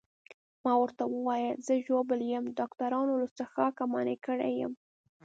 ما ورته وویل زه ژوبل یم، ډاکټرانو له څښاکه منع کړی یم.